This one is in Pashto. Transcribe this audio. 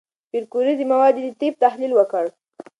پېیر کوري د موادو د طیف تحلیل وکړ.